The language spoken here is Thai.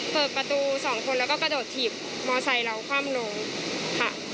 เปิดประตูสองคนแล้วก็กระโดดถีบมอไซค์เราคว่ำลงค่ะ